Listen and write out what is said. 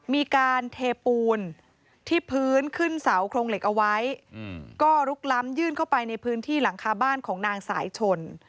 มีการเทปูนที่พื้นขึ้นเสาโครงเหล็กเอาไว้ก็ลุกล้ำยื่นเข้าไปในพื้นที่หลังคาบ้านของนางสายชน